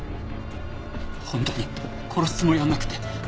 本当に殺すつもりはなくて。